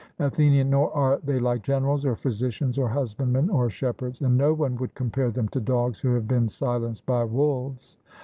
ATHENIAN: Nor are they like generals, or physicians, or husbandmen, or shepherds; and no one would compare them to dogs who have been silenced by wolves.